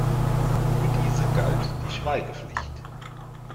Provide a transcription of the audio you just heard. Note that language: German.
Für diese galt die Schweigepflicht.